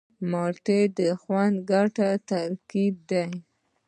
مالټه د خوند او ګټې ترکیب دی.